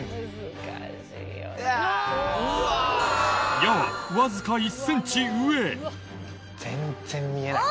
矢はわずか１ｃｍ上惜しい！